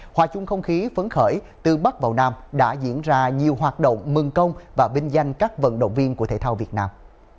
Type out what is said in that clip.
hòa chung không khí phấn khởi từ bắc vào nam đã diễn ra nhiều hoạt động mừng công và vinh danh các vận động viên của thể thao việt nam